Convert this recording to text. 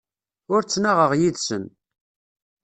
Ur ttnaɣeɣ yid-sen.